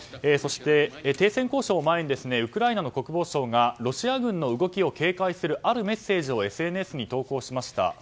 そして、停戦交渉を前にウクライナの国防省がロシア軍の動きを警戒するあるメッセージをＳＮＳに投稿しました。